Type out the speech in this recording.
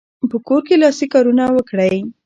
په کور کې لاسي کارونه وکړئ.